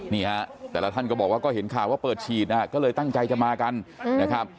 นี่ฮะแต่ละท่านก็บอกว่าก็เห็นข่าวว่าเปิดฉีดนะฮะก็เลยตั้งใจจะมากันนะครับ